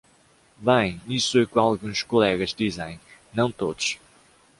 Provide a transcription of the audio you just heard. Bem, isso é o que alguns colegas dizem, não todos.